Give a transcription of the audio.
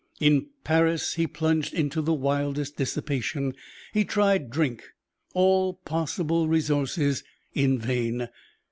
In Paris he plunged into the wildest dissipation. He tried drink all possible resources in vain.